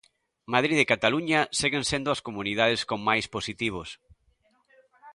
Madrid e Cataluña seguen sendo as comunidades con máis positivos.